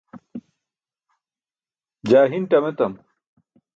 jaa hin ṭam etam